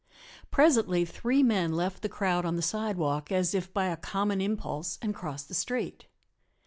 Presently three men left the crowd on the sidewalk as if by a common impulse and crossed the street.